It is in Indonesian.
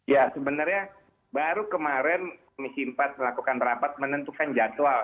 ya sebenarnya baru kemarin komisi empat melakukan rapat menentukan jadwal